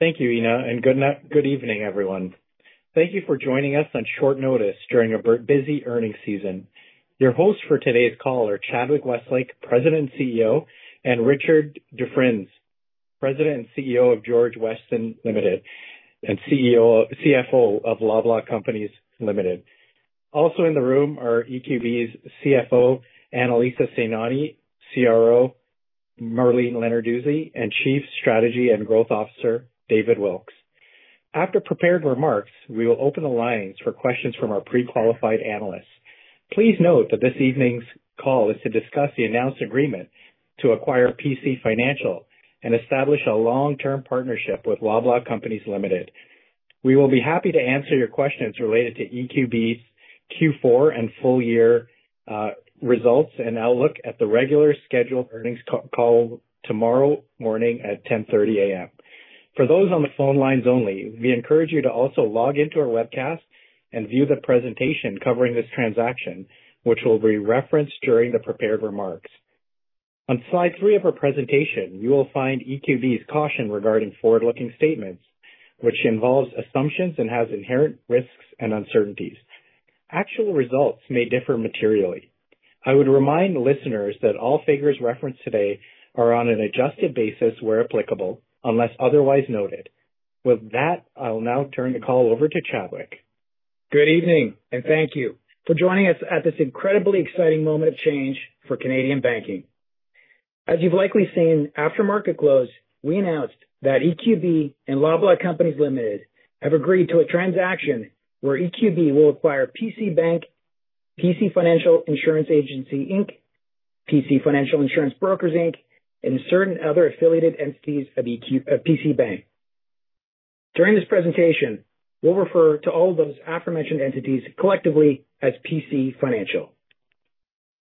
Thank you, Ina, and good evening, everyone. Thank you for joining us on short notice during a busy earnings season. Your hosts for today's call are Chadwick Westlake, President and CEO, and Richard Dufresne, President and CFO of George Weston Limited and CFO of Loblaw Companies Limited. Also in the room are EQB's CFO, Annalisa Sainani, CRO, Marlene Lenarduzzi, and Chief Strategy and Growth Officer, David Wilkes. After prepared remarks, we will open the lines for questions from our pre-qualified analysts. Please note that this evening's call is to discuss the announced agreement to acquire PC Financial and establish a long-term partnership with Loblaw Companies Limited. We will be happy to answer your questions related to EQB's Q4 and full-year results and outlook at the regular scheduled earnings call tomorrow morning at 10:30 A.M. For those on the phone lines only, we encourage you to also log into our webcast and view the presentation covering this transaction, which will be referenced during the prepared remarks. On slide three of our presentation, you will find EQB's caution regarding forward-looking statements, which involves assumptions and has inherent risks and uncertainties. Actual results may differ materially. I would remind listeners that all figures referenced today are on an adjusted basis where applicable, unless otherwise noted. With that, I'll now turn the call over to Chadwick. Good evening, and thank you for joining us at this incredibly exciting moment of change for Canadian banking. As you've likely seen after market close, we announced that EQB and Loblaw Companies Limited have agreed to a transaction where EQB will acquire PC Bank, PC Financial Insurance Agency, Inc., PC Financial Insurance Brokers, Inc., and certain other affiliated entities of PC Bank. During this presentation, we'll refer to all of those aforementioned entities collectively as PC Financial.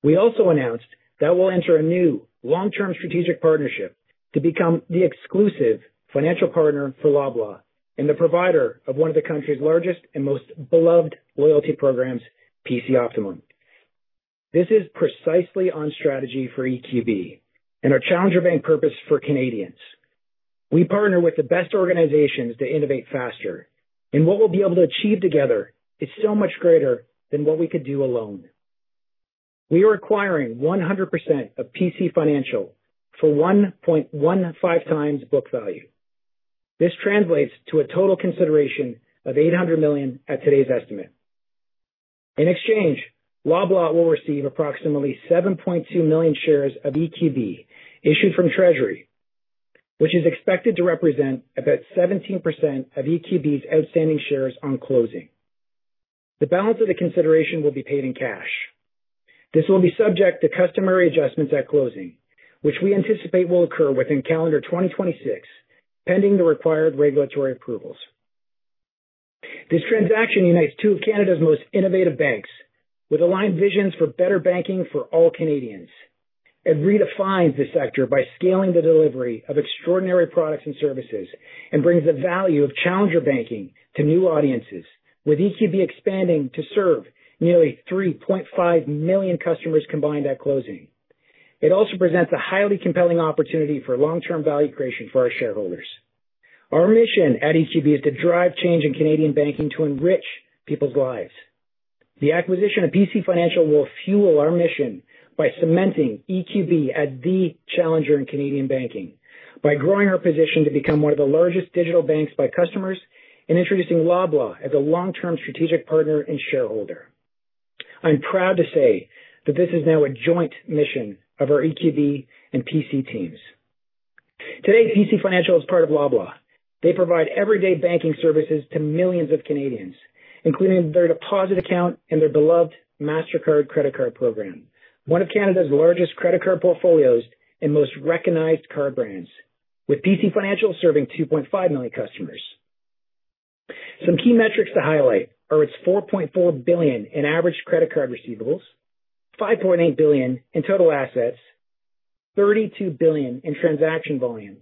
We also announced that we'll enter a new long-term strategic partnership to become the exclusive financial partner for Loblaw and the provider of one of the country's largest and most beloved loyalty programs, PC Optimum. This is precisely on strategy for EQB and our Challenger Bank purpose for Canadians. We partner with the best organizations to innovate faster, and what we'll be able to achieve together is so much greater than what we could do alone. We are acquiring 100% of PC Financial for 1.15 times book value. This translates to a total consideration of 800 million at today's estimate. In exchange, Loblaw will receive approximately 7.2 million shares of EQB issued from Treasury, which is expected to represent about 17% of EQB's outstanding shares on closing. The balance of the consideration will be paid in cash. This will be subject to customary adjustments at closing, which we anticipate will occur within calendar 2026, pending the required regulatory approvals. This transaction unites two of Canada's most innovative banks with aligned visions for better banking for all Canadians and redefines the sector by scaling the delivery of extraordinary products and services and brings the value of challenger banking to new audiences, with EQB expanding to serve nearly 3.5 million customers combined at closing. It also presents a highly compelling opportunity for long-term value creation for our shareholders. Our mission at EQB is to drive change in Canadian banking to enrich people's lives. The acquisition of PC Financial will fuel our mission by cementing EQB as the challenger in Canadian banking, by growing our position to become one of the largest digital banks by customers and introducing Loblaw as a long-term strategic partner and shareholder. I'm proud to say that this is now a joint mission of our EQB and PC teams. Today, PC Financial is part of Loblaw. They provide everyday banking services to millions of Canadians, including their deposit account and their beloved Mastercard credit card program, one of Canada's largest credit card portfolios and most recognized card brands, with PC Financial serving 2.5 million customers. Some key metrics to highlight are its 4.4 billion in average credit card receivables, 5.8 billion in total assets, 32 billion in transaction volume,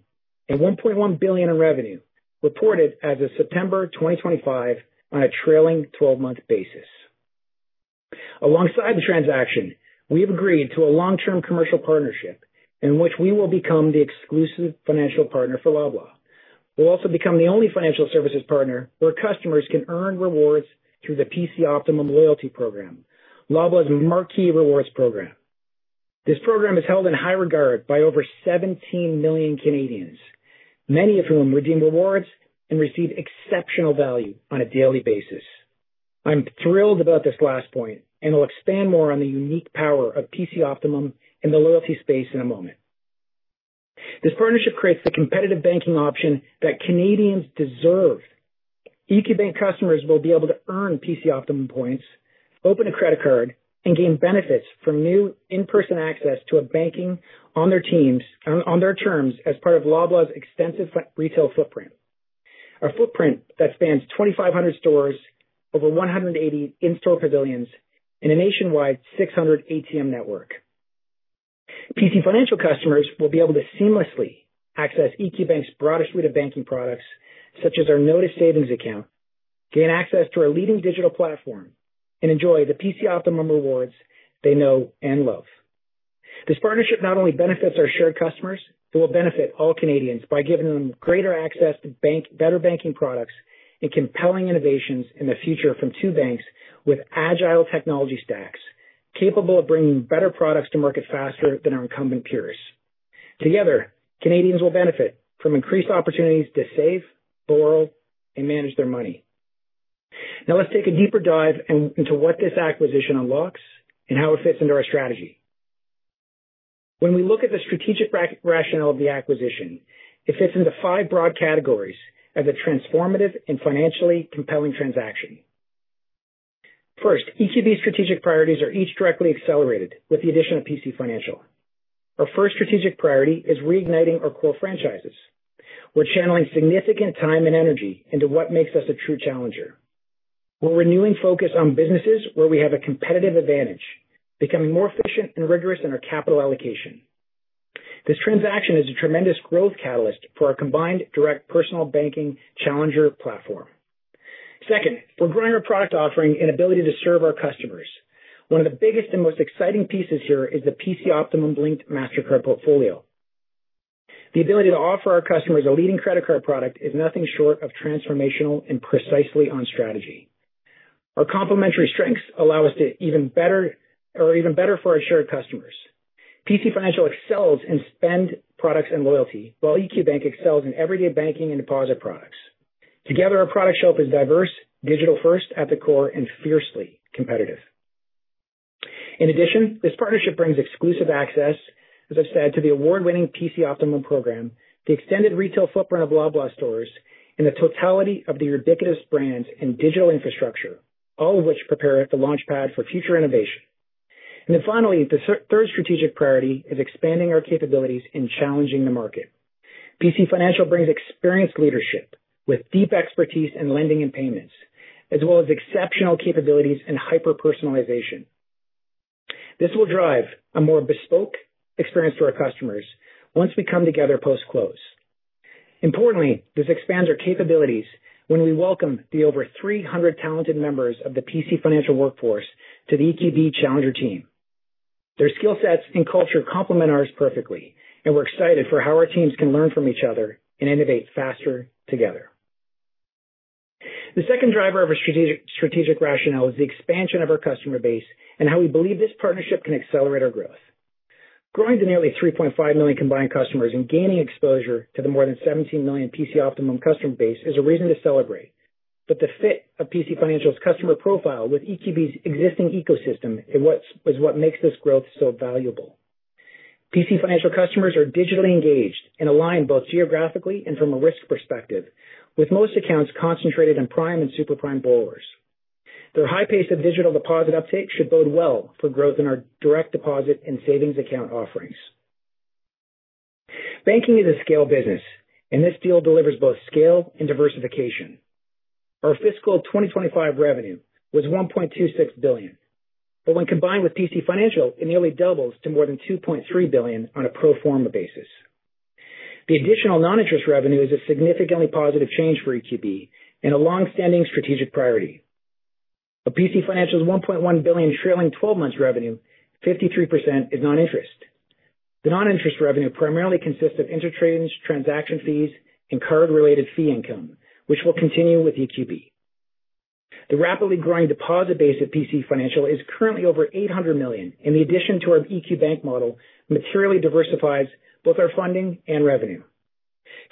and 1.1 billion in revenue, reported as of September 2025 on a trailing 12-month basis. Alongside the transaction, we have agreed to a long-term commercial partnership in which we will become the exclusive financial partner for Loblaw. We'll also become the only financial services partner where customers can earn rewards through the PC Optimum Loyalty Program, Loblaw's marquee rewards program. This program is held in high regard by over 17 million Canadians, many of whom redeem rewards and receive exceptional value on a daily basis. I'm thrilled about this last point, and I'll expand more on the unique power of PC Optimum in the loyalty space in a moment. This partnership creates the competitive banking option that Canadians deserve. EQB customers will be able to earn PC Optimum points, open a credit card, and gain benefits from new in-person access to banking on their terms as part of Loblaw's extensive retail footprint, a footprint that spans 2,500 stores, over 180 in-store pavilions, and a nationwide 600 ATM network. PC Financial customers will be able to seamlessly access EQB's broader suite of banking products, such as our Notice Savings Account, gain access to our leading digital platform, and enjoy the PC Optimum rewards they know and love. This partnership not only benefits our shared customers, it will benefit all Canadians by giving them greater access to better banking products and compelling innovations in the future from two banks with agile technology stacks capable of bringing better products to market faster than our incumbent peers. Together, Canadians will benefit from increased opportunities to save, borrow, and manage their money. Now, let's take a deeper dive into what this acquisition unlocks and how it fits into our strategy. When we look at the strategic rationale of the acquisition, it fits into five broad categories as a transformative and financially compelling transaction. First, EQB's strategic priorities are each directly accelerated with the addition of PC Financial. Our first strategic priority is reigniting our core franchises. We're channeling significant time and energy into what makes us a true challenger. We're renewing focus on businesses where we have a competitive advantage, becoming more efficient and rigorous in our capital allocation. This transaction is a tremendous growth catalyst for our combined direct personal banking challenger platform. Second, we're growing our product offering and ability to serve our customers. One of the biggest and most exciting pieces here is the PC Optimum-linked Mastercard portfolio. The ability to offer our customers a leading credit card product is nothing short of transformational and precisely on strategy. Our complementary strengths allow us to even better for our shared customers. PC Financial excels in spend products and loyalty, while EQB excels in everyday banking and deposit products. Together, our product shelf is diverse, digital-first at the core, and fiercely competitive. In addition, this partnership brings exclusive access, as I've said, to the award-winning PC Optimum program, the extended retail footprint of Loblaw stores, and the totality of the ubiquitous brands and digital infrastructure, all of which prepare the launchpad for future innovation. And then finally, the third strategic priority is expanding our capabilities and challenging the market. PC Financial brings experienced leadership with deep expertise in lending and payments, as well as exceptional capabilities and hyper-personalization. This will drive a more bespoke experience for our customers once we come together post-close. Importantly, this expands our capabilities when we welcome the over 300 talented members of the PC Financial workforce to the EQB challenger team. Their skill sets and culture complement ours perfectly, and we're excited for how our teams can learn from each other and innovate faster together. The second driver of our strategic rationale is the expansion of our customer base and how we believe this partnership can accelerate our growth. Growing to nearly 3.5 million combined customers and gaining exposure to the more than 17 million PC Optimum customer base is a reason to celebrate. But the fit of PC Financial's customer profile with EQB's existing ecosystem is what makes this growth so valuable. PC Financial customers are digitally engaged and aligned both geographically and from a risk perspective, with most accounts concentrated in prime and super prime borrowers. Their high pace of digital deposit uptake should bode well for growth in our direct deposit and savings account offerings. Banking is a scale business, and this deal delivers both scale and diversification. Our fiscal 2025 revenue was 1.26 billion, but when combined with PC Financial, it nearly doubles to more than 2.3 billion on a pro forma basis. The additional non-interest revenue is a significantly positive change for EQB and a long-standing strategic priority. Of PC Financial's 1.1 billion trailing 12-month revenue, 53% is non-interest. The non-interest revenue primarily consists of interchange transaction fees and card-related fee income, which will continue with EQB. The rapidly growing deposit base of PC Financial is currently over 800 million, and the addition to our EQB model materially diversifies both our funding and revenue.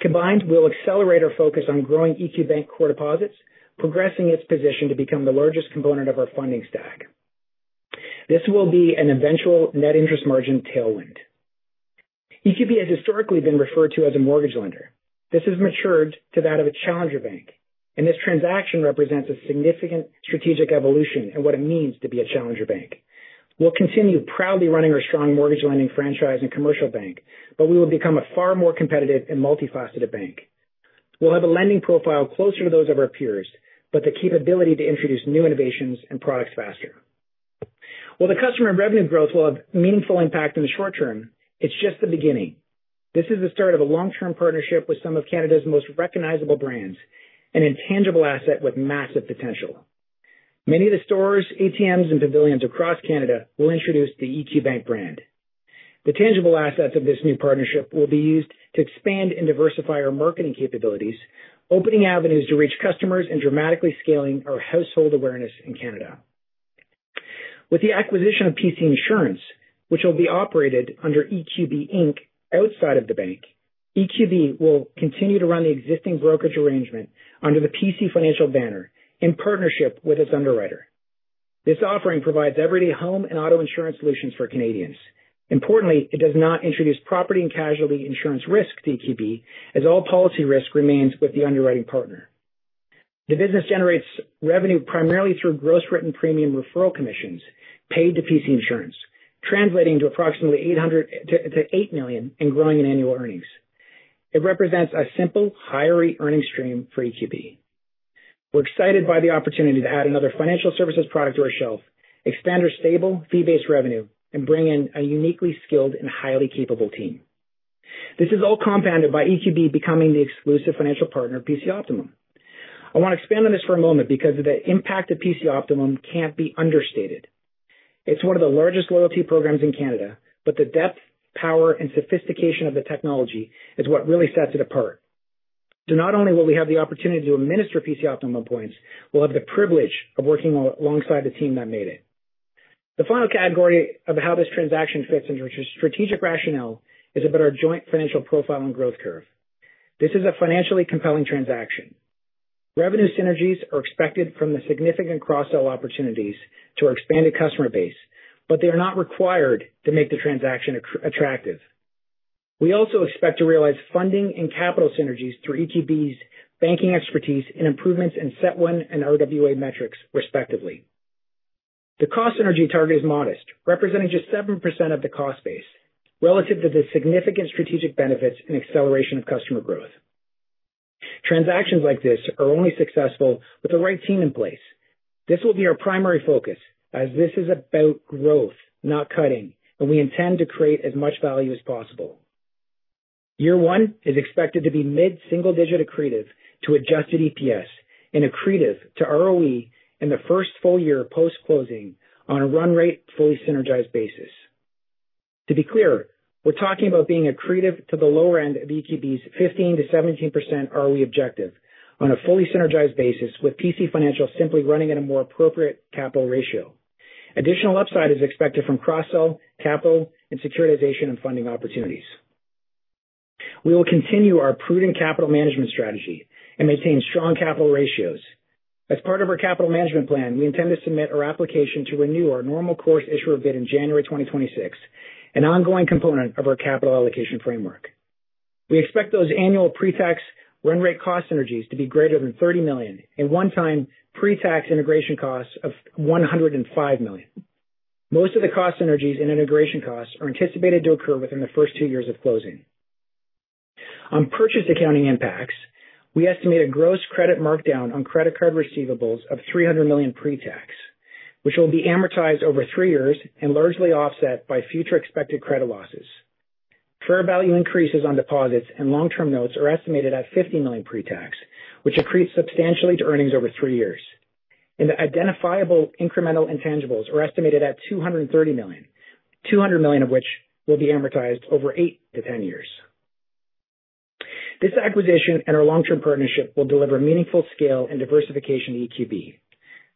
Combined, we'll accelerate our focus on growing EQB core deposits, progressing its position to become the largest component of our funding stack. This will be an eventual net interest margin tailwind. EQB has historically been referred to as a mortgage lender. This has matured to that of a challenger bank, and this transaction represents a significant strategic evolution in what it means to be a challenger bank. We'll continue proudly running our strong mortgage lending franchise and commercial bank, but we will become a far more competitive and multifaceted bank. We'll have a lending profile closer to those of our peers, but the capability to introduce new innovations and products faster. While the customer revenue growth will have meaningful impact in the short term, it's just the beginning. This is the start of a long-term partnership with some of Canada's most recognizable brands, an intangible asset with massive potential. Many of the stores, ATMs, and pavilions across Canada will introduce the EQB brand. The tangible assets of this new partnership will be used to expand and diversify our marketing capabilities, opening avenues to reach customers and dramatically scaling our household awareness in Canada. With the acquisition of PC Insurance, which will be operated under EQB Inc. outside of the bank, EQB will continue to run the existing brokerage arrangement under the PC Financial banner in partnership with its underwriter. This offering provides everyday home and auto insurance solutions for Canadians. Importantly, it does not introduce property and casualty insurance risk to EQB, as all policy risk remains with the underwriting partner. The business generates revenue primarily through gross written premium referral commissions paid to PC Insurance, translating to approximately 8 million and growing in annual earnings. It represents a simple recurring earnings stream for EQB. We're excited by the opportunity to add another financial services product to our shelf, expand our stable fee-based revenue, and bring in a uniquely skilled and highly capable team. This is all compounded by EQB becoming the exclusive financial partner of PC Optimum. I want to expand on this for a moment because the impact of PC Optimum can't be understated. It's one of the largest loyalty programs in Canada, but the depth, power, and sophistication of the technology is what really sets it apart. So not only will we have the opportunity to administer PC Optimum points, we'll have the privilege of working alongside the team that made it. The final category of how this transaction fits into strategic rationale is about our joint financial profile and growth curve. This is a financially compelling transaction. Revenue synergies are expected from the significant cross-sell opportunities to our expanded customer base, but they are not required to make the transaction attractive. We also expect to realize funding and capital synergies through EQB's banking expertise and improvements in CET1 and RWA metrics, respectively. The cost synergy target is modest, representing just 7% of the cost base relative to the significant strategic benefits and acceleration of customer growth. Transactions like this are only successful with the right team in place. This will be our primary focus, as this is about growth, not cutting, and we intend to create as much value as possible. Year one is expected to be mid-single digit accretive to adjusted EPS and accretive to ROE in the first full year post-closing on a run rate fully synergized basis. To be clear, we're talking about being accretive to the lower end of EQB's 15%-17% ROE objective on a fully synergized basis with PC Financial simply running at a more appropriate capital ratio. Additional upside is expected from cross-sell capital and securitization and funding opportunities. We will continue our prudent capital management strategy and maintain strong capital ratios. As part of our capital management plan, we intend to submit our application to renew our normal course issuer bid in January 2026, an ongoing component of our capital allocation framework. We expect those annual pre-tax run rate cost synergies to be greater than 30 million and one-time pre-tax integration costs of 105 million. Most of the cost synergies and integration costs are anticipated to occur within the first two years of closing. On purchase accounting impacts, we estimate a gross credit markdown on credit card receivables of 300 million pre-tax, which will be amortized over three years and largely offset by future expected credit losses. Fair value increases on deposits and long-term notes are estimated at 50 million pre-tax, which accretes substantially to earnings over three years. And the identifiable incremental intangibles are estimated at 230 million, 200 million of which will be amortized over 8 to 10 years. This acquisition and our long-term partnership will deliver meaningful scale and diversification to EQB.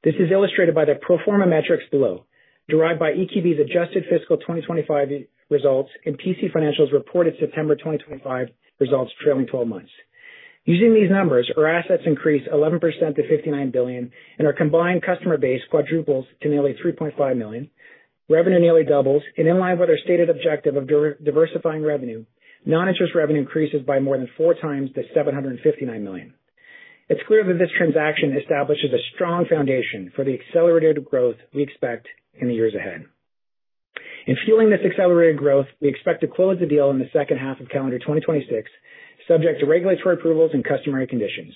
This is illustrated by the pro forma metrics below, derived by EQB's adjusted fiscal 2025 results and PC Financial's reported September 2025 results trailing 12 months. Using these numbers, our assets increase 11% to 59 billion, and our combined customer base quadruples to nearly 3.5 million. Revenue nearly doubles, and in line with our stated objective of diversifying revenue, non-interest revenue increases by more than four times to 759 million. It's clear that this transaction establishes a strong foundation for the accelerated growth we expect in the years ahead. In fueling this accelerated growth, we expect to close the deal in the second half of calendar 2026, subject to regulatory approvals and customary conditions.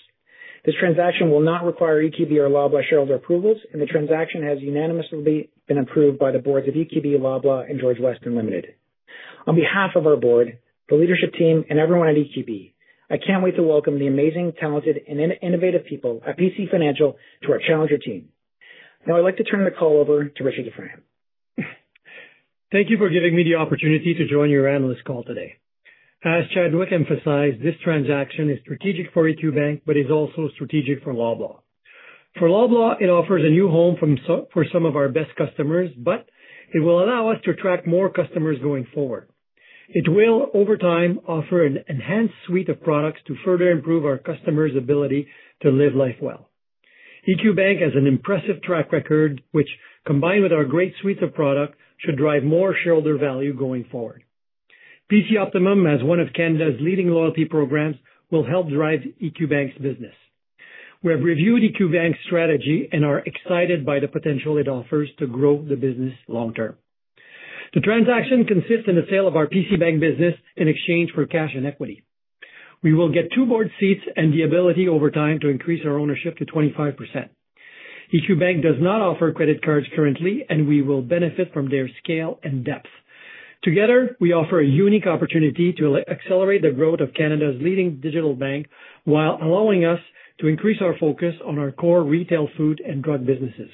This transaction will not require EQB or Loblaw shareholder approvals, and the transaction has unanimously been approved by the boards of EQB, Loblaw, and George Weston Limited. On behalf of our board, the leadership team, and everyone at EQB, I can't wait to welcome the amazing, talented, and innovative peo nbbb ple at PC Financial to our challenger team. Now, I'd like to turn the call over to Richard Dufresne. Thank you for giving me the opportunity to join your analyst call today. As Chadwick emphasized, this transaction is strategic for EQB, but is also strategic for Loblaw. For Loblaw, it offers a new home for some of our best customers, but it will allow us to attract more customers going forward. It will, over time, offer an enhanced suite of products to further improve our customers' ability to live life well. EQB has an impressive track record, which, combined with our great suites of product, should drive more shareholder value going forward. PC Optimum, as one of Canada's leading loyalty programs, will help drive EQB's business. We have reviewed EQB's strategy and are excited by the potential it offers to grow the business long-term. The transaction consists in the sale of our PC Bank business in exchange for cash and equity. We will get two board seats and the ability, over time, to increase our ownership to 25%. EQB does not offer credit cards currently, and we will benefit from their scale and depth. Together, we offer a unique opportunity to accelerate the growth of Canada's leading digital bank while allowing us to increase our focus on our core retail food and drug businesses.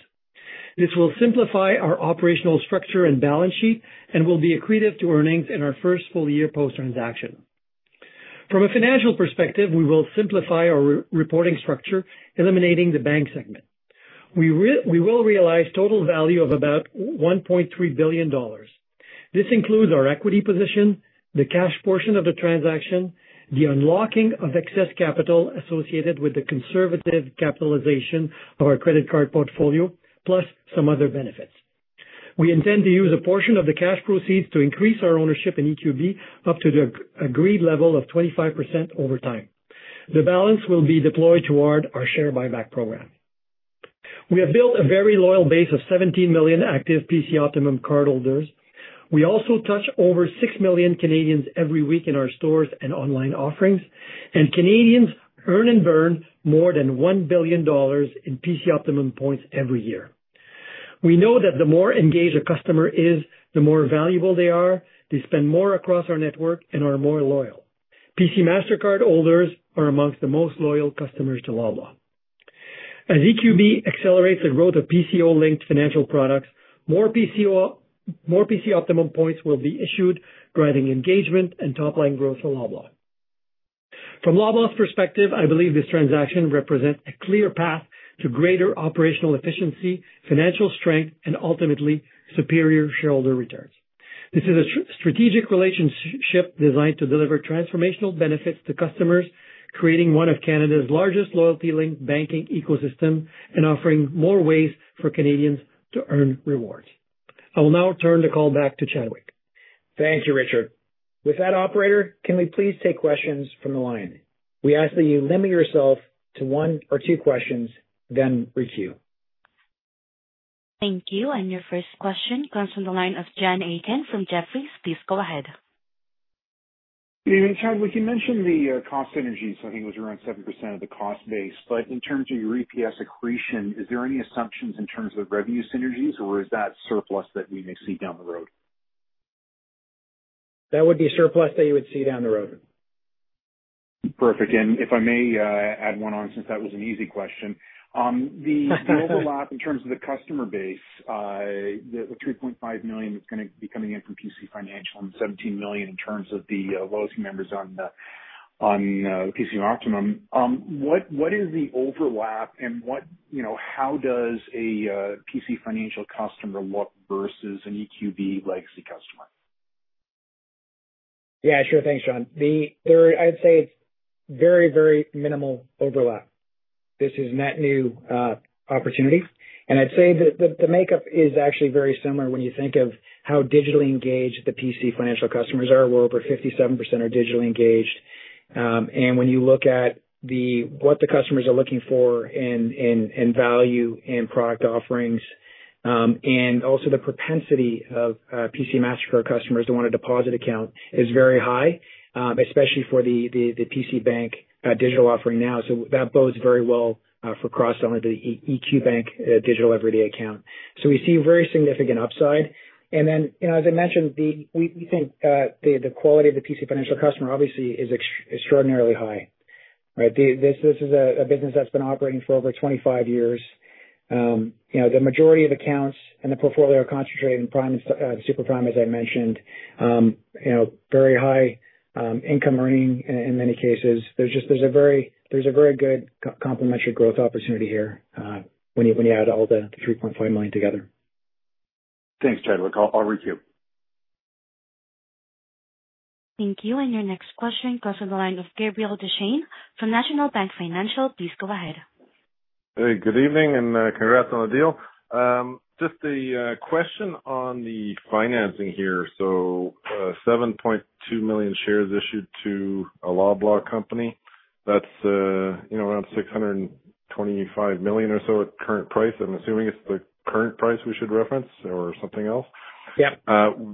This will simplify our operational structure and balance sheet and will be accretive to earnings in our first full year post-transaction. From a financial perspective, we will simplify our reporting structure, eliminating the bank segment. We will realize total value of about 1.3 billion dollars. This includes our equity position, the cash portion of the transaction, the unlocking of excess capital associated with the conservative capitalization of our credit card portfolio, plus some other benefits. We intend to use a portion of the cash proceeds to increase our ownership in EQB up to the agreed level of 25% over time. The balance will be deployed toward our share buyback program. We have built a very loyal base of 17 million active PC Optimum cardholders. We also touch over 6 million Canadians every week in our stores and online offerings, and Canadians earn and burn more than 1 billion dollars in PC Optimum points every year. We know that the more engaged a customer is, the more valuable they are. They spend more across our network and are more loyal. PC Mastercard holders are amongst the most loyal customers to Loblaw. As EQB accelerates the growth of PCO-linked financial products, more PC Optimum points will be issued, driving engagement and top-line growth for Loblaw. From Loblaw's perspective, I believe this transaction represents a clear path to greater operational efficiency, financial strength, and ultimately superior shareholder returns. This is a strategic relationship designed to deliver transformational benefits to customers, creating one of Canada's largest loyalty-linked banking ecosystem and offering more ways for Canadians to earn rewards. I will now turn the call back to Chadwick. Thank you, Richard. With that, operator, can we please take questions from the line? We ask that you limit yourself to one or two questions, then requeue. Thank you. And your first question comes from the line of John Aiken from Jefferies. Please go ahead. Chadwick, you mentioned the cost synergies. I think it was around 7% of the cost base. But in terms of your EPS accretion, is there any assumptions in terms of the revenue synergies, or is that upside that we may see down the road? That would be upside that you would see down the road. Perfect. And if I may add one on, since that was an easy question, the overlap in terms of the customer base, the 3.5 million that's going to be coming in from PC Financial and the 17 million in terms of the loyalty members on PC Optimum, what is the overlap and how does a PC Financial customer look versus an EQB legacy customer? Yeah, sure. Thanks, John. I'd say it's very, very minimal overlap. This is net new opportunity. And I'd say that the makeup is actually very similar when you think of how digitally engaged the PC Financial customers are. We're over 57% digitally engaged. And when you look at what the customers are looking for in value and product offerings and also the propensity of PC Mastercard customers to want a deposit account is very high, especially for the PC Bank digital offering now. So that bodes very well for cross-selling to the EQB digital everyday account. So we see very significant upside. And then, as I mentioned, we think the quality of the PC Financial customer obviously is extraordinarily high. This is a business that's been operating for over 25 years. The majority of accounts and the portfolio are concentrated in prime and super prime, as I mentioned, very high income earning in many cases. There's a very good complementary growth opportunity here when you add all the 3.5 million together. Thanks, Chadwick. I'll requeue. Thank you. And your next question comes from the line of Gabriel Dechaine from National Bank Financial. Please go ahead. Hey, good evening and congrats on the deal. Just a question on the financing here. So 7.2 million shares issued to a Loblaw Company. That's around 625 million or so at current price. I'm assuming it's the current price we should reference or something else. Yep.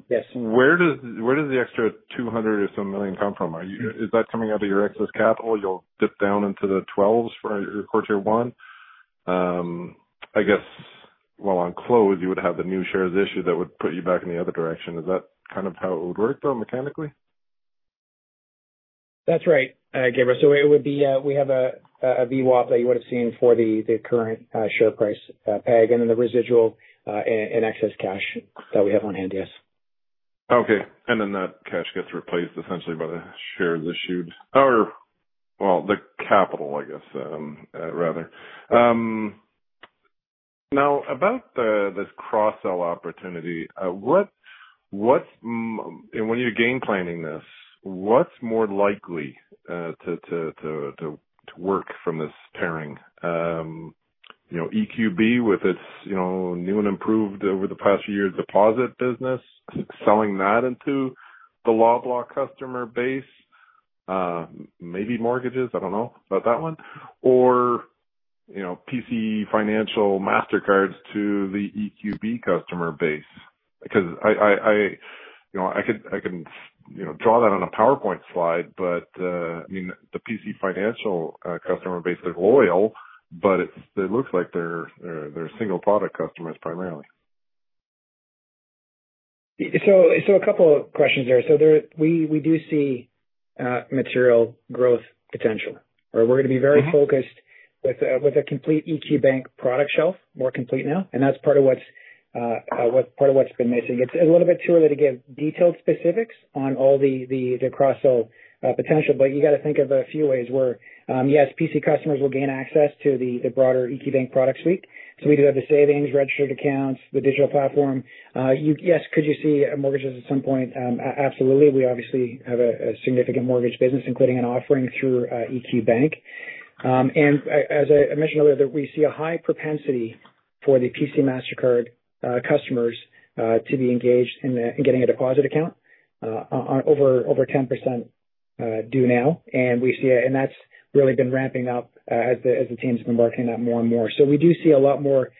Yes. Where does the extra 200 million or so come from? Is that coming out of your excess capital? You'll dip down into the 12s for your quarter one. I guess while on close, you would have the new shares issued that would put you back in the other direction. Is that kind of how it would work, though, mechanically? That's right, Gabriel. So we have a VWAP that you would have seen for the current share price peg and then the residual and excess cash that we have on hand, yes. Okay. And then that cash gets replaced essentially by the shares issued or, well, the capital, I guess, rather. Now, about this cross-sell opportunity, when you're game planning this, what's more likely to work from this pairing? EQB with its new and improved over the past year deposit business, selling that into the Loblaw customer base, maybe mortgages, I don't know about that one, or PC Financial Mastercards to the EQB customer base? Because I can draw that on a PowerPoint slide, but I mean, the PC Financial customer base, they're loyal, but it looks like they're single product customers primarily. So a couple of questions there. So we do see material growth potential. We're going to be very focused with a complete EQB product shelf, more complete now. And that's part of what's part of what's been missing. It's a little bit too early to give detailed specifics on all the cross-sell potential, but you got to think of a few ways where, yes, PC customers will gain access to the broader EQB product suite. So we do have the savings, registered accounts, the digital platform. Yes, could you see mortgages at some point? Absolutely. We obviously have a significant mortgage business, including an offering through EQ Bank. As I mentioned earlier, we see a high propensity for the PC Mastercard customers to be engaged in getting a deposit account, over 10% due now. We see it, and that's really been ramping up as the team's been working on that more and more. So we do see a lot more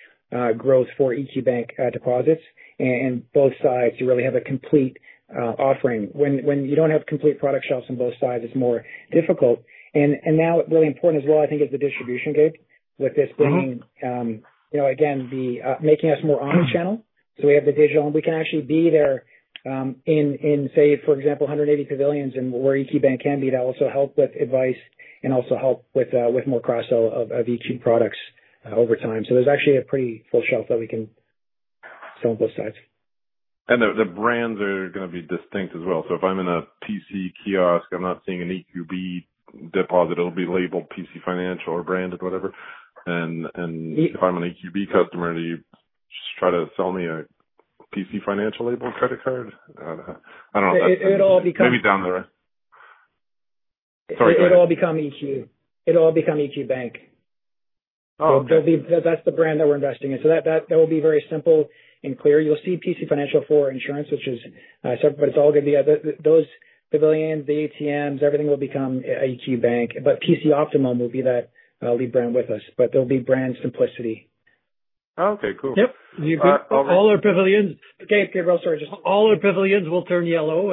growth for EQ Bank deposits and both sides to really have a complete offering. When you don't have complete product shelves on both sides, it's more difficult. Now, really important as well, I think, is the distribution gate with this bringing, again, making us more omnichannel. So we have the digital, and we can actually be there in, say, for example, 180 pavilions and where EQ Bank can be to also help with advice and also help with more cross-sell of EQ products over time. So there's actually a pretty full shelf that we can sell on both sides. And the brands are going to be distinct as well. So if I'm in a PC kiosk, I'm not seeing an EQB deposit, it'll be labeled PC Financial or branded whatever. And if I'm an EQB customer, do you just try to sell me a PC Financial labeled credit card? I don't know. It'll all become maybe down the road. Sorry. It'll all become EQ. It'll all become EQ Bank. That's the brand that we're investing in. So that will be very simple and clear. You'll see PC Financial for insurance, which is separate, but it's all going to be those pavilions, the ATMs, everything will become EQ Bank. But PC Optimum will be that lead brand with us, but there'll be brand simplicity. Okay. Cool. Yep. All our pavilions. Okay, Gabriel, sorry. All our pavilions will turn yellow,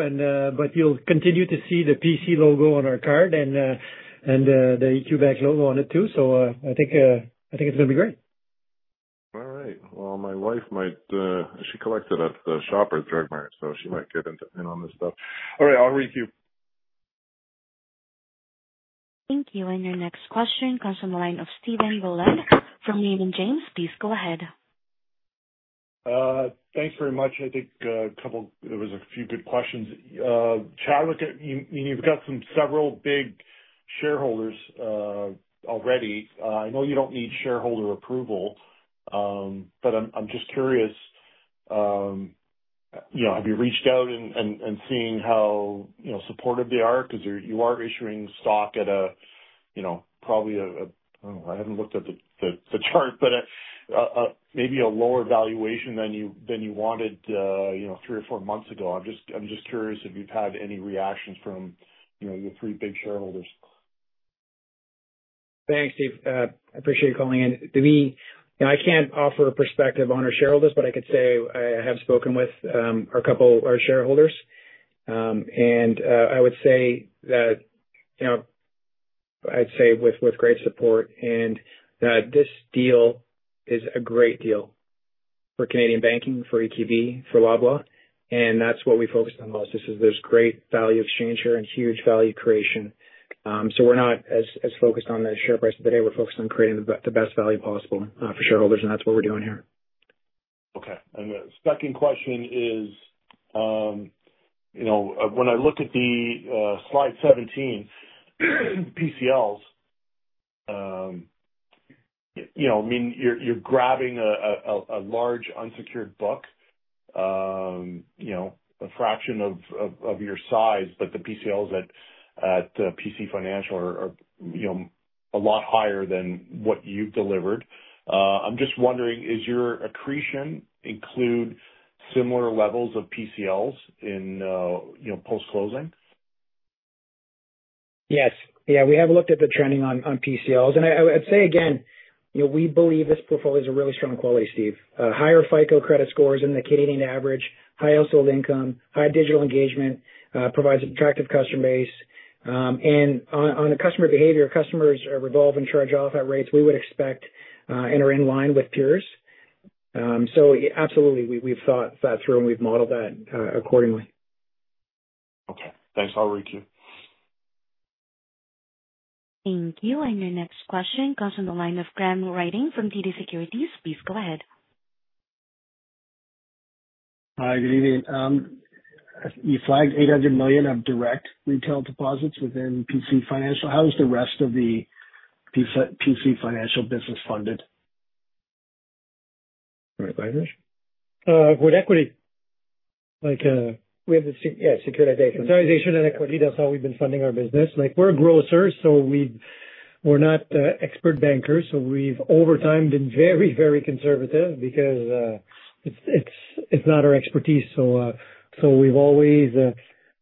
but you'll continue to see the PC logo on our card and the EQ Bank logo on it too. So I think it's going to be great. All right. Well, my wife might, she collected at the Shoppers Drug Mart, so she might get in on this stuff. All right. I'll requeue. Thank you. And your next question comes from the line of Stephen Boland from Raymond James. Please go ahead. Thanks very much. I think there was a few good questions. Chadwick, you've got several big shareholders already. I know you don't need shareholder approval, but I'm just curious, have you reached out and seen how supportive they are? Because you are issuing stock at probably a, I don't know, I haven't looked at the chart, but maybe a lower valuation than you wanted three or four months ago. I'm just curious if you've had any reactions from your three big shareholders. Thanks, Steve. I appreciate you calling in. I can't offer a perspective on our shareholders, but I could say I have spoken with a couple of our shareholders. And I would say that I'd say with great support, and this deal is a great deal for Canadian banking, for EQB, for Loblaw, and that's what we focused on most. This is this great value exchange here and huge value creation. So we're not as focused on the share price today. We're focused on creating the best value possible for shareholders, and that's what we're doing here. Okay. And the second question is, when I look at slide 17, PCLs, I mean, you're grabbing a large unsecured book, a fraction of your size, but the PCLs at PC Financial are a lot higher than what you've delivered. I'm just wondering, is your accretion include similar levels of PCLs in post-closing? Yes. Yeah. We have looked at the trending on PCLs. And I'd say, again, we believe this portfolio is a really strong quality, Steve. Higher FICO credit scores above the Canadian average, higher household income, high digital engagement, provides an attractive customer base. And on the customer behavior, customers are revolving charge-off at rates we would expect and are in line with peers. So absolutely, we've thought that through and we've modeled that accordingly. Okay. Thanks. I'll requeue. Thank you. Your next question comes from the line of Graham Ryding from TD Securities. Please go ahead. Hi. Good evening. You flagged 800 million of direct retail deposits within PC Financial. How is the rest of the PC Financial business funded? Right, largely with equity. We have a securitization and equity. That's how we've been funding our business. We're a grocer, so we're not expert bankers. So we've over time been very, very conservative because it's not our expertise. So we've always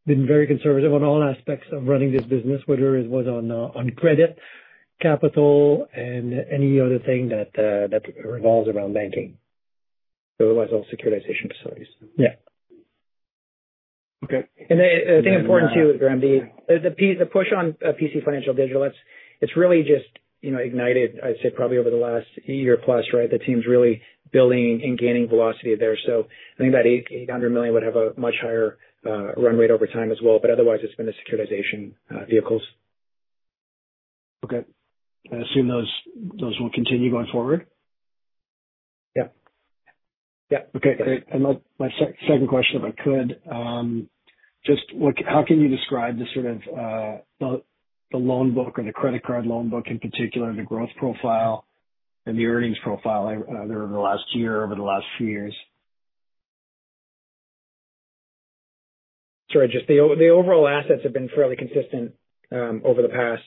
been very conservative on all aspects of running this business, whether it was on credit, capital, and any other thing that revolves around banking. Otherwise, all securitization facilities. Yeah. Okay. I think important too, Graham, the push on PC Financial digital. It's really just ignited, I'd say, probably over the last year plus, right? The team's really building and gaining velocity there. So I think that 800 million would have a much higher run rate over time as well. But otherwise, it's been the securitization vehicles. Okay. I assume those will continue going forward. Yep. Yep. Okay. And my second question, if I could, just how can you describe the sort of the loan book or the credit card loan book in particular, the growth profile and the earnings profile there over the last year, over the last few years? Sorry, just the overall assets have been fairly consistent over the past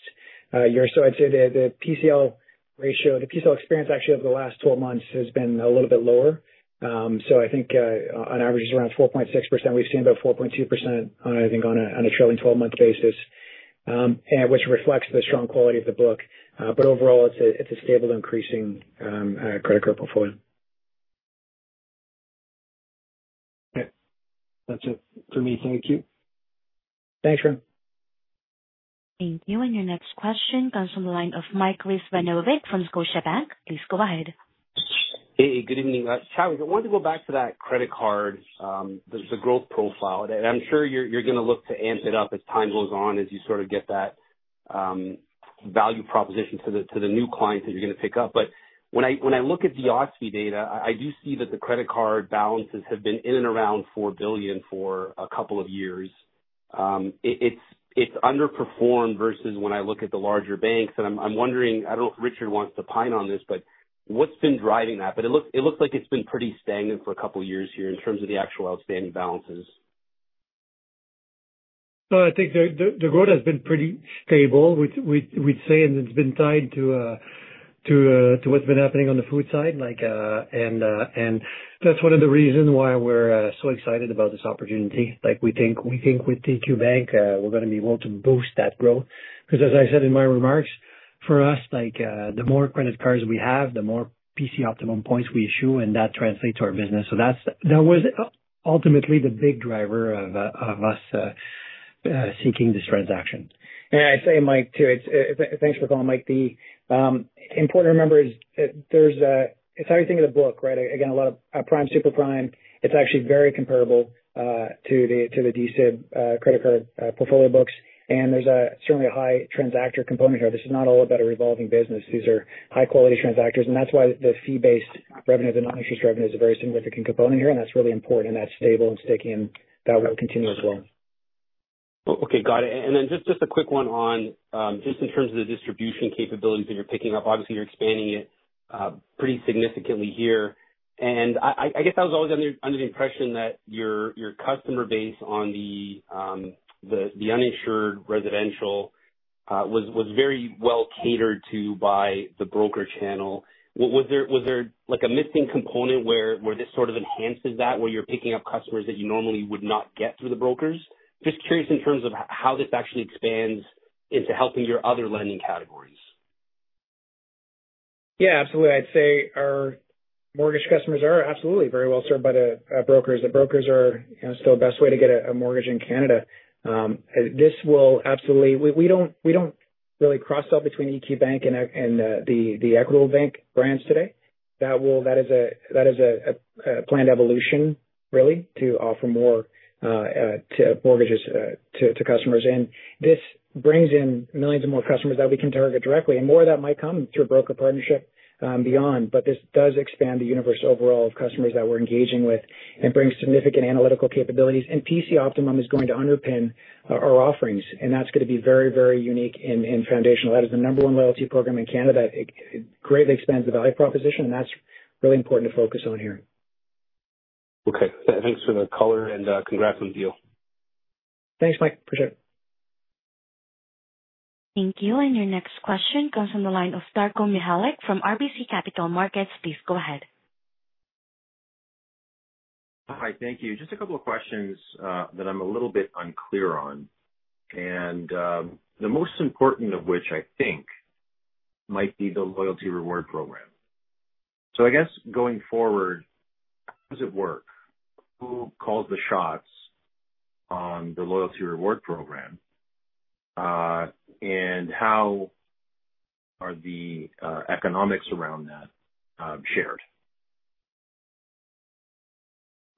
year. So I'd say the PCL ratio, the PCL experience actually over the last 12 months has been a little bit lower. So I think on average is around 4.6%. We've seen about 4.2%, I think, on a trailing 12-month basis, which reflects the strong quality of the book. But overall, it's a stable increasing credit card portfolio. That's it for me. Thank you. Thanks, Graham. Thank you. And your next question comes from the line of Mike Rizvanovic from Scotiabank. Please go ahead. Hey, good evening. Chadwick, I wanted to go back to that credit card, the growth profile. And I'm sure you're going to look to amp it up as time goes on as you sort of get that value proposition to the new clients that you're going to pick up. But when I look at the OSFI data, I do see that the credit card balances have been in and around 4 billion for a couple of years. It's underperformed versus when I look at the larger banks. And I'm wondering, I don't know if Richard wants to chime in on this, but what's been driving that? But it looks like it's been pretty stagnant for a couple of years here in terms of the actual outstanding balances. I think the growth has been pretty stable, we'd say, and it's been tied to what's been happening on the food side. And that's one of the reasons why we're so excited about this opportunity. We think with EQ Bank, we're going to be able to boost that growth. Because as I said in my remarks, for us, the more credit cards we have, the more PC Optimum points we issue, and that translates to our business. So that was ultimately the big driver of us seeking this transaction. And I say, Mike, too, thanks for calling, Mike. The important to remember is it's how you think of the book, right? Again, a lot of prime, super prime. It's actually very comparable to the CIBC credit card portfolio books. There's certainly a high transactor component here. This is not all about a revolving business. These are high-quality transactors. And that's why the fee-based revenues and non-interest revenues are a very significant component here. And that's really important, and that's stable and sticky, and that will continue as well. Okay. Got it. And then just a quick one on just in terms of the distribution capabilities that you're picking up. Obviously, you're expanding it pretty significantly here. And I guess I was always under the impression that your customer base on the uninsured residential was very well catered to by the broker channel. Was there a missing component where this sort of enhances that, where you're picking up customers that you normally would not get through the brokers? Just curious in terms of how this actually expands into helping your other lending categories. Yeah, absolutely. I'd say our mortgage customers are absolutely very well served by the brokers. The brokers are still the best way to get a mortgage in Canada. This will absolutely. We don't really cross-sell between EQ Bank and the Equitable Bank brands today. That is a planned evolution, really, to offer more mortgages to customers. And this brings in millions of more customers that we can target directly, and more of that might come through a broker partnership beyond. But this does expand the universe overall of customers that we're engaging with and brings significant analytical capabilities. And PC Optimum is going to underpin our offerings. And that's going to be very, very unique and foundational. That is the number one loyalty program in Canada that greatly expands the value proposition, and that's really important to focus on here. Okay. Thanks for the color, and congrats on the deal. Thanks, Mike. Appreciate it. Thank you. And your next question comes from the line of Darko Mihelic from RBC Capital Markets. Please go ahead. Hi. Thank you. Just a couple of questions that I'm a little bit unclear on. And the most important of which, I think, might be the loyalty reward program. So I guess going forward, how does it work? Who calls the shots on the loyalty reward program? And how are the economics around that shared?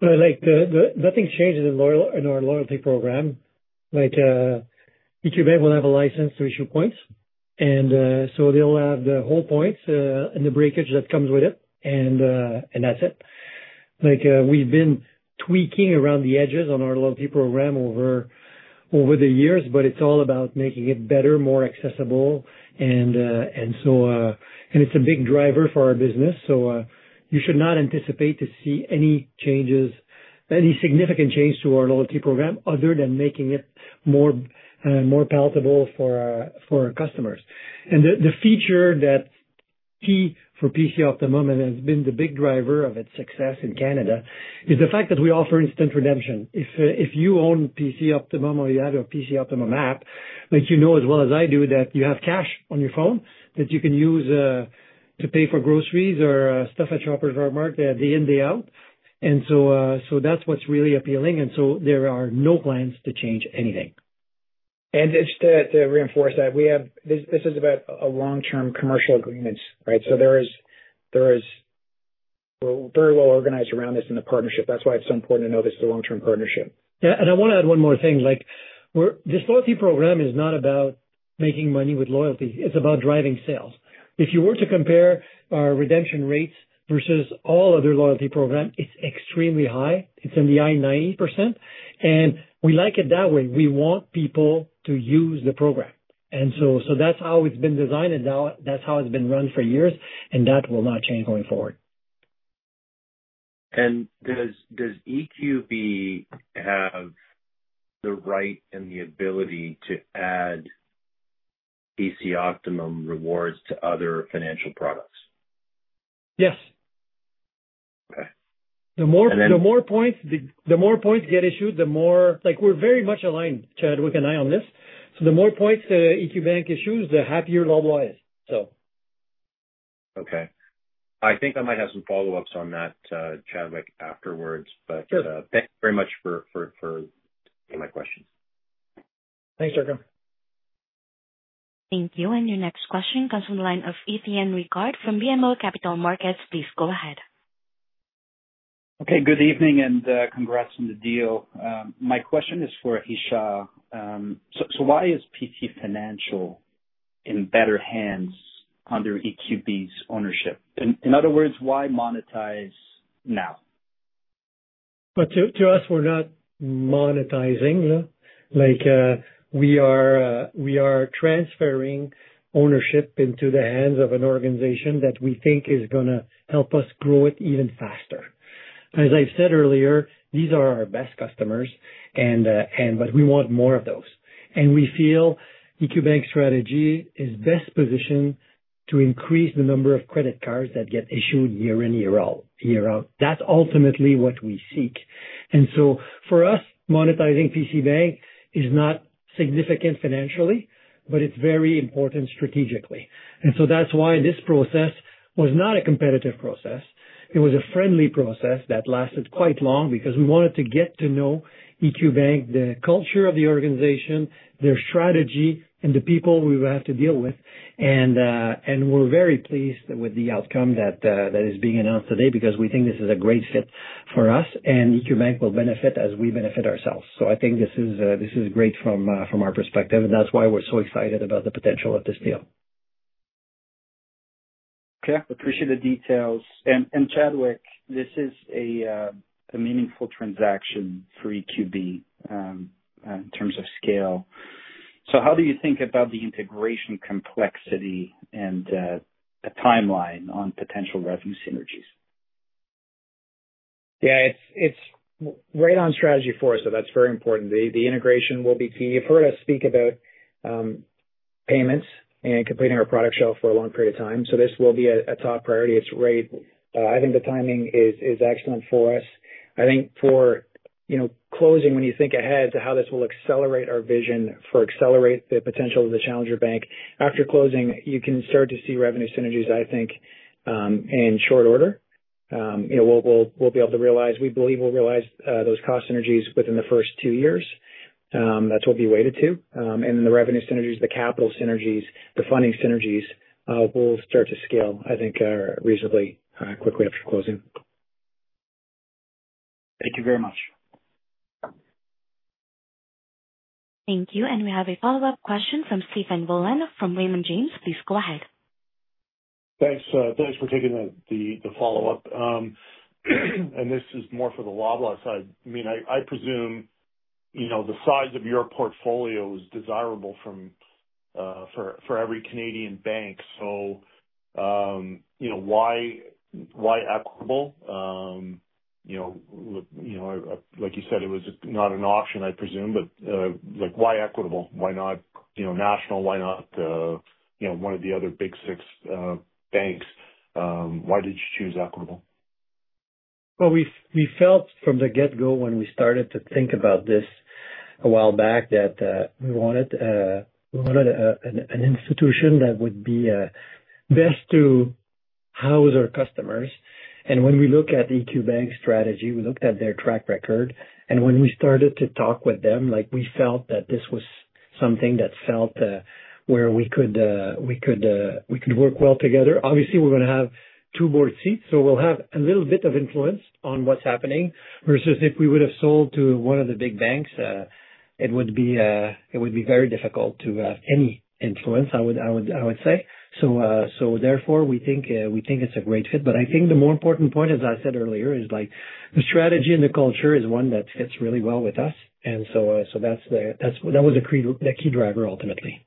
Nothing's changed in our loyalty program. EQ Bank will have a license to issue points. And so they'll have the whole points and the breakage that comes with it, and that's it. We've been tweaking around the edges on our loyalty program over the years, but it's all about making it better, more accessible. And it's a big driver for our business. So you should not anticipate to see any significant change to our loyalty program other than making it more palatable for our customers. And the feature that's key for PC Optimum and has been the big driver of its success in Canada is the fact that we offer instant redemption. If you own PC Optimum or you have a PC Optimum app, you know as well as I do that you have cash on your phone that you can use to pay for groceries or stuff at Shoppers Drug Mart day in, day out. And so that's what's really appealing. And so there are no plans to change anything. And just to reinforce that, this is about long-term commercial agreements, right? So there is. We're very well organized around this in the partnership. That's why it's so important to know this is a long-term partnership. Yeah. I want to add one more thing. This loyalty program is not about making money with loyalty. It's about driving sales. If you were to compare our redemption rates versus all other loyalty programs, it's extremely high. It's in the high 90%. We like it that way. We want people to use the program. So that's how it's been designed, and that's how it's been run for years. That will not change going forward. Does EQB have the right and the ability to add PC Optimum rewards to other financial products? Yes. The more points get issued, the more, we're very much aligned, Chadwick, and I on this. So the more points that EQ Bank issues, the happier Loblaw is, so. Okay. I think I might have some follow-ups on that, Chadwick, afterwards. But thanks very much for my questions. Thanks, Darko. Thank you. Your next question comes from the line of Étienne Ricard from BMO Capital Markets. Please go ahead. Okay. Good evening and congrats on the deal. My question is for Richard. So why is PC Financial in better hands under EQB's ownership? In other words, why monetize now? To us, we're not monetizing. We are transferring ownership into the hands of an organization that we think is going to help us grow it even faster. As I've said earlier, these are our best customers, but we want more of those. We feel EQBank's strategy is best positioned to increase the number of credit cards that get issued year in, year out. That's ultimately what we seek. For us, monetizing PC Bank is not significant financially, but it's very important strategically. That's why this process was not a competitive process. It was a friendly process that lasted quite long because we wanted to get to know EQ Bank, the culture of the organization, their strategy, and the people we will have to deal with. And we're very pleased with the outcome that is being announced today because we think this is a great fit for us, and EQ Bank will benefit as we benefit ourselves. So I think this is great from our perspective, and that's why we're so excited about the potential of this deal. Okay. Appreciate the details. And Chadwick, this is a meaningful transaction for EQB in terms of scale. So how do you think about the integration complexity and a timeline on potential revenue synergies? Yeah. It's right on strategy for us, so that's very important. The integration will be key. You've heard us speak about payments and completing our product shelf for a long period of time. So this will be a top priority. I think the timing is excellent for us. I think for closing, when you think ahead to how this will accelerate our vision for accelerating the potential of the Challenger Bank, after closing, you can start to see revenue synergies, I think, in short order. We'll be able to realize, we believe we'll realize those cost synergies within the first two years. That's what we waited to. And then the revenue synergies, the capital synergies, the funding synergies will start to scale, I think, reasonably quickly after closing. Thank you very much. Thank you. And we have a follow-up question from Stephen Boland from Raymond James. Please go ahead. Thanks for taking the follow-up. And this is more for the Loblaw side. I mean, I presume the size of your portfolio is desirable for every Canadian bank. So why Equitable? Like you said, it was not an option, I presume. But why Equitable? Why not National? Why not one of the other big six banks? Why did you choose Equitable? We felt from the get-go when we started to think about this a while back that we wanted an institution that would be best to house our customers. When we look at EQBank's strategy, we looked at their track record. When we started to talk with them, we felt that this was something that felt where we could work well together. Obviously, we're going to have two board seats, so we'll have a little bit of influence on what's happening. Versus if we would have sold to one of the big banks, it would be very difficult to have any influence, I would say. Therefore, we think it's a great fit. But I think the more important point, as I said earlier, is the strategy and the culture is one that fits really well with us. And so that was the key driver, ultimately.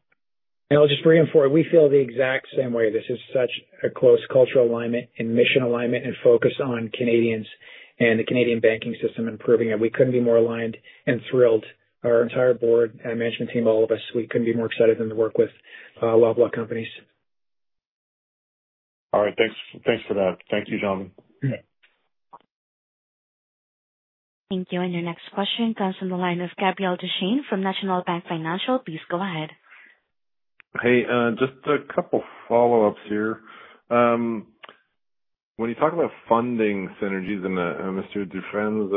And I'll just reinforce it. We feel the exact same way. This is such a close cultural alignment and mission alignment and focus on Canadians and the Canadian banking system and proving that we couldn't be more aligned and thrilled. Our entire board, management team, all of us, we couldn't be more excited than to work with Loblaw Companies. All right. Thanks for that. Thank you, John. Thank you. And your next question comes from the line of Gabriel Dechaine from National Bank Financial. Please go ahead. Hey, just a couple of follow-ups here. When you talk about funding synergies, and Mr. Dufresne's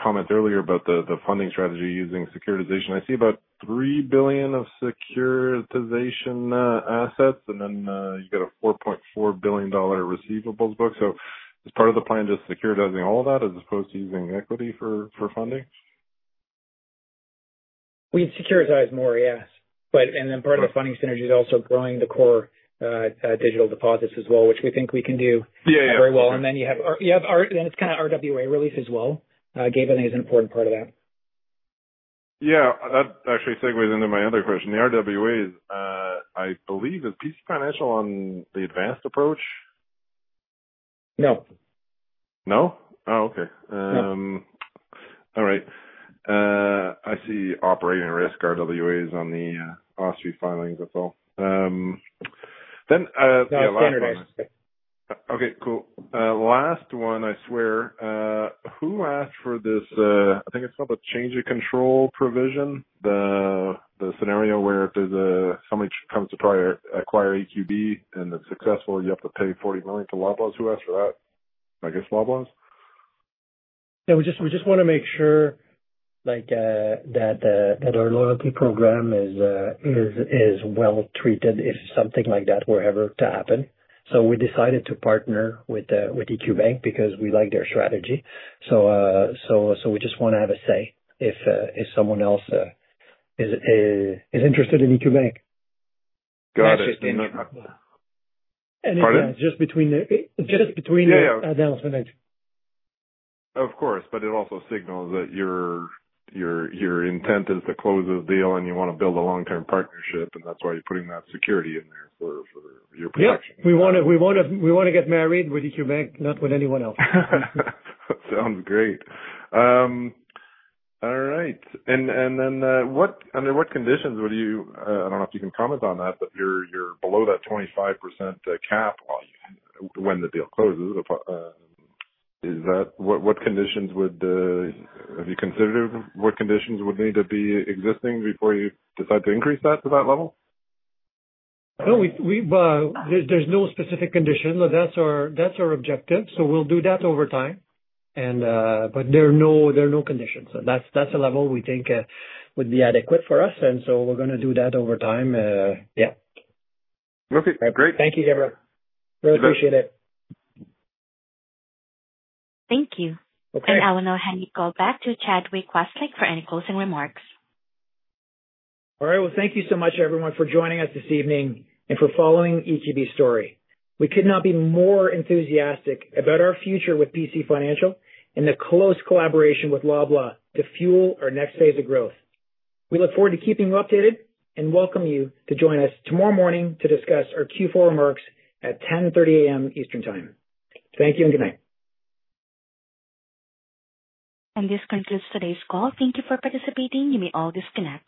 comment earlier about the funding strategy using securitization. I see about $3 billion of securitization assets, and then you've got a $4.4 billion receivables book. So is part of the plan just securitizing all that as opposed to using equity for funding? We'd securitize more, yes. And then part of the funding synergy is also growing the core digital deposits as well, which we think we can do very well. And then you have, then it's kind of RWA release as well. Gabe, I think is an important part of that. Yeah. That actually segues into my other question. The RWAs, I believe, is PC Financial on the advanced approach? No. No? Oh, okay. All right. I see operating risk RWAs on the OSFI filings as well. Then last one. Yeah, standardized. Okay. Cool. Last one, I swear. Who asked for this? I think it's called a change of control provision, the scenario where if somebody comes to acquire EQB and it's successful, you have to pay $40 million to Loblaws. Who asked for that? I guess Loblaws? Yeah. We just want to make sure that our loyalty program is well treated if something like that were ever to happen. So we decided to partner with EQ Bank because we like their strategy. So we just want to have a say if someone else is interested in EQ Bank. Got it. And it's just between the. Pardon? Just between the announcement. Of course. But it also signals that your intent is to close this deal and you want to build a long-term partnership, and that's why you're putting that security in there for your protection. Yeah. We want to get married with EQ Bank, not with anyone else. Sounds great. All right. Then under what conditions would you—I don't know if you can comment on that, but you're below that 25% cap when the deal closes. What conditions would—have you considered what conditions would need to be existing before you decide to increase that to that level? No, there's no specific condition. That's our objective. So we'll do that over time. But there are no conditions. That's a level we think would be adequate for us. And so we're going to do that over time. Yeah. Okay. Great. Thank you, Gabriel. Really appreciate it. Thank you. And I will now hand the call back to Chadwick Westlake for any closing remarks. All right. Well, thank you so much, everyone, for joining us this evening and for following EQB's story. We could not be more enthusiastic about our future with PC Financial and the close collaboration with Loblaw to fuel our next phase of growth. We look forward to keeping you updated and welcome you to join us tomorrow morning to discuss our Q4 remarks at 10:30 A.M. Eastern Time. Thank you and good night. And this concludes today's call. Thank you for participating. You may all disconnect.